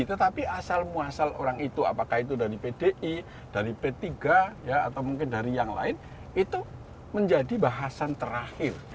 tetapi asal muasal orang itu apakah itu dari pdi dari p tiga atau mungkin dari yang lain itu menjadi bahasan terakhir